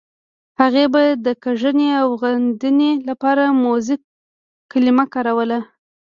هغې به د کږنې او غندنې لپاره موزیګي کلمه کاروله.